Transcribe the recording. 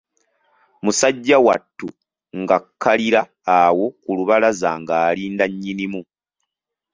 Musajja wattu ng'akkalira awo ku lubalaza ng'alinda nnyinimu.